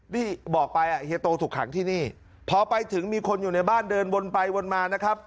ที่บอกไปอ่ะเฮียโตถูกขังที่นี่พอไปถึงมีคนอยู่ในบ้านเดินวนไปวนมานะครับ